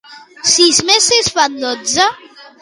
Sis més sis fan dotze?